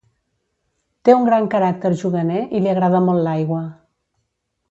Té un gran caràcter juganer i li agrada molt l'aigua.